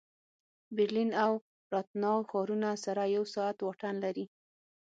برلین او راتناو ښارونه سره یو ساعت واټن لري